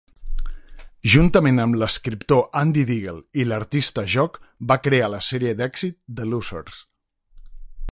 Juntament amb l'escriptor Andy Diggle i l'artista Jock va crear la sèrie d'èxit "The Losers".